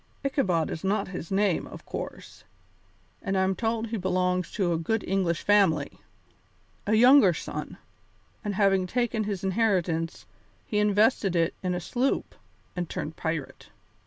Ichabod is not his name, of course, and I'm told he belongs to a good English family a younger son, and having taken his inheritance, he invested it in a sloop and turned pirate.